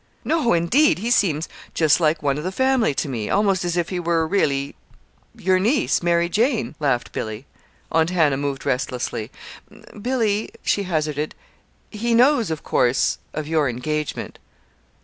"No, indeed! He seems just like one of the family to me, almost as if he were really your niece, Mary Jane," laughed Billy. Aunt Hannah moved restlessly. "Billy," she hazarded, "he knows, of course, of your engagement?"